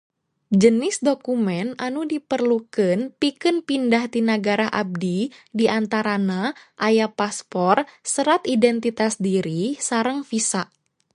Jenis dokumen anu diperlukeun pikeun pindah ti nagara abdi diantarana aya paspor, serat identitas diri, sareng visa.